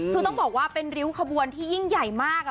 คือต้องบอกว่าเป็นริ้วขบวนที่ยิ่งใหญ่มาก